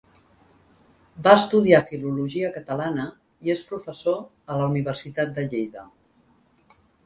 Va estudiar Filologia Catalana i és professor a la Universitat de Lleida.